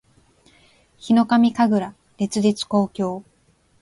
ヒノカミ神楽烈日紅鏡（ひのかみかぐられつじつこうきょう）